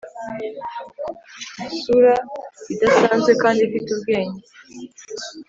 Isura idasanzwe kandi ifite ubwenge